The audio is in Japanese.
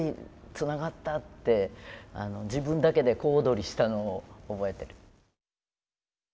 つながった！って自分だけで小躍りしたのを覚えてる。